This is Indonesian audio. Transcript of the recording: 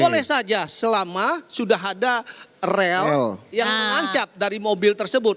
boleh saja selama sudah ada rel yang mengancap dari mobil tersebut